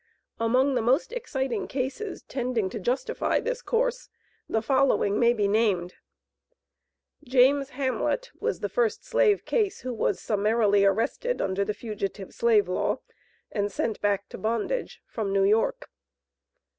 Among the most exciting cases tending to justify this course, the following may be named: James Hamlet was the first slave case who was summarily arrested under the Fugitive Slave Law, and sent back to bondage from New York.